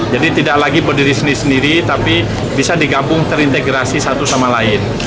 jadi tidak lagi berdiri sendiri sendiri tapi bisa digabung terintegrasi satu sama lain